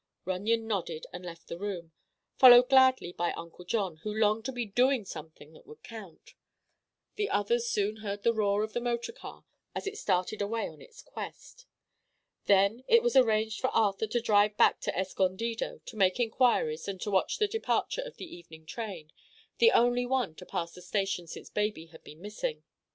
Runyon nodded and left the room, followed gladly by Uncle John, who longed to be doing something that would count. The others soon heard the roar of the motor car as it started away on its quest. Then it was arranged for Arthur to drive back to Escondido to make inquiries and to watch the departure of the evening train, the only one to pass the station since baby had been missing.